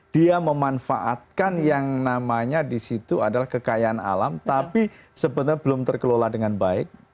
dia memanfaatkan yang namanya di situ adalah kekayaan alam tapi sebenarnya belum terkelola dengan baik